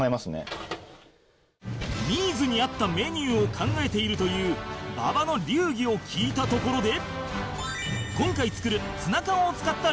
ニーズに合ったメニューを考えているという馬場の流儀を聞いたところで